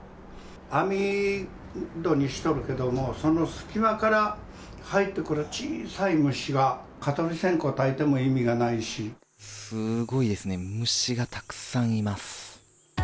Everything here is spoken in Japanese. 網戸にしとるけども、その隙間から入ってくる、小さい虫が、すごいですね、虫がたくさんいます。